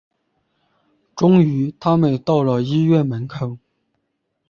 终于他们到了医院门口